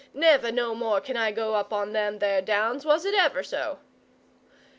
Never no more can I go up on them there Downs, was it ever so!"